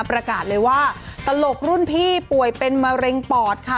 ประกาศเลยว่าตลกรุ่นพี่ป่วยเป็นมะเร็งปอดค่ะ